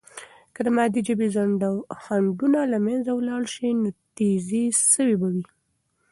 که د مادی ژبې خنډونه له منځه ولاړ سي، نو تیزي سوې به وي.